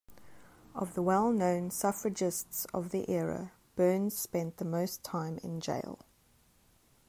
Of the well-known suffragists of the era, Burns spent the most time in jail.